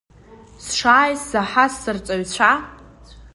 Сшааиз заҳаз сырҵаҩцәа…